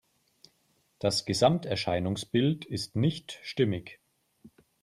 Das Gesamterscheinungsbild ist nicht stimmig.